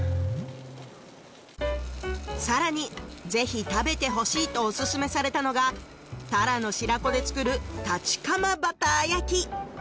さらに「ぜひ食べてほしい」とお薦めされたのがタラの白子で作る「たちかまバター焼」